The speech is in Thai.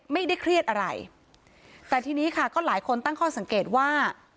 ไม่ได้เครียดอะไรแต่ทีนี้ค่ะก็หลายคนตั้งข้อสังเกตว่า